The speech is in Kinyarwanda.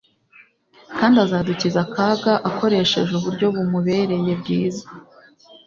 kandi azadukiza akaga akoresheje uburyo bumubereye bwiza.